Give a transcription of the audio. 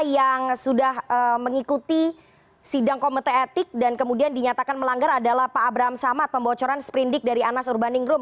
yang sudah mengikuti sidang komite etik dan kemudian dinyatakan melanggar adalah pak abraham samad pembocoran sprindik dari anas urbaningrum